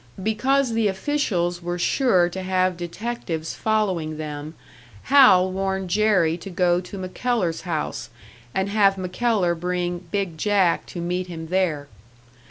Because the officials were sure to have detectives following them, Hal warned Jerry to go to MacKellar's house, and have MacKellar bring "Big Jack" to meet him there.